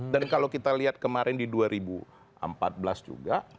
dan kalau kita lihat kemarin di dua ribu empat belas juga